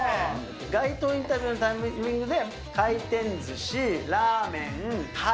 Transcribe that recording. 街頭インタビューのタイミングで、回転ずし、ラーメン、